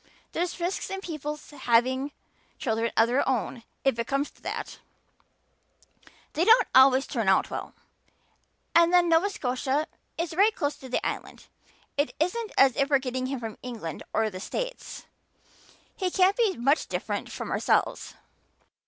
There's risks in people's having children of their own if it comes to that they don't always turn out well. And then Nova Scotia is right close to the Island. It isn't as if we were getting him from England or the States. He can't be much different from ourselves."